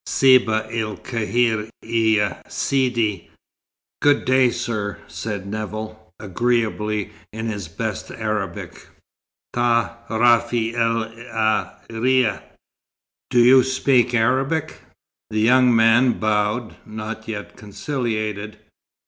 "Cebah el kheir, ia Sidi Good day, sir," said Nevill, agreeably, in his best Arabic. "Ta' rafi el a' riya? Do you speak Arabic?" The young man bowed, not yet conciliated.